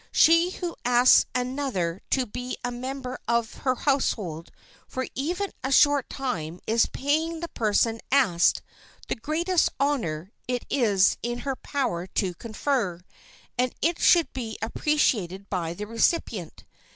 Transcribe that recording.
She who asks another to be a member of her household for even a short time is paying the person asked the greatest honor it is in her power to confer, and it should be appreciated by the recipient.